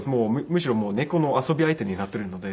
むしろ猫の遊び相手になっているので。